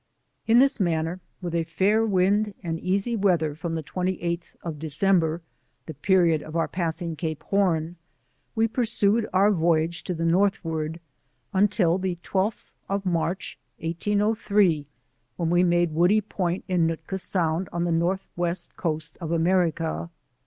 In this manner, with a fair wind and easy wea« tber from the 28th of December, the period of our passing Cape Horn, we pursued our voyage to the Northward until the 12th of March, 1803, when we m%de Woody Point in Nootka Sound on the North west Coast of America.